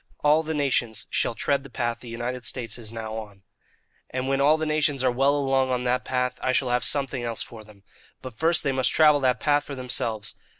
All the nations shall tread the path the United States is now on. "And when all the nations are well along on that path, I shall have something else for them. But first they must travel that path for themselves.